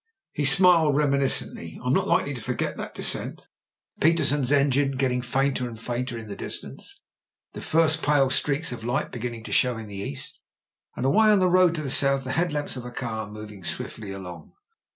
He smiled reminiscently. ''I'm not likely to forget that descent, Petersen's engine getting fainter and fainter in the distance, the first pale streaks of light beginning to show in the east, and away on a road to the south the headlamps of a car moving swiftly along.